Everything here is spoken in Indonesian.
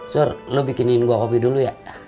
sur lu bikinin gua kopi dulu ya